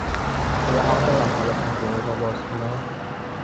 آیا حق دارم حالا پنجره را بازکنم؟